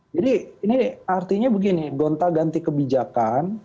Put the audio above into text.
jadi ini artinya begini gonta ganti kebijakan